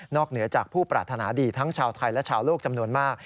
เหนือจากผู้ปรารถนาดีทั้งชาวไทยและชาวโลกจำนวนมาก